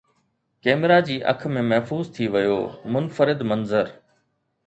camera جي اک ۾ محفوظ ٿي ويو منفرد منظر